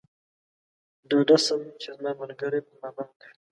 ډاډه شم چې زما ملګری پر ما پام کوي.